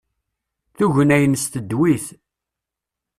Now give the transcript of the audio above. Tugna-ines tedwi-t.